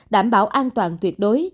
đảm bảo an toàn tuyệt đối